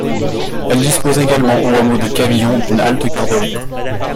Elle dispose également au hameau de Cavillon d'une halte-garderie.